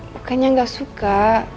bukannya gak suka